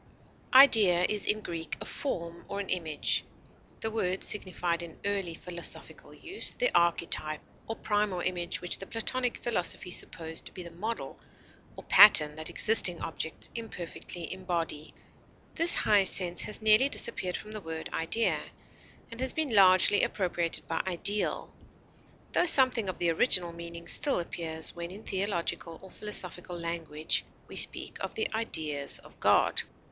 Idea is in Greek a form or an image. The word signified in early philosophical use the archetype or primal image which the Platonic philosophy supposed to be the model or pattern that existing objects imperfectly embody. This high sense has nearly disappeared from the word idea, and has been largely appropriated by ideal, tho something of the original meaning still appears when in theological or philosophical language we speak of the ideas of God.